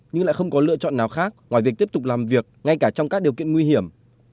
nhưng lại không có lựa chọn nào khác ngoài việc tiếp tục làm việc ngay cả trong các điều kiện nguy hiểm